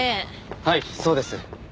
はいそうです。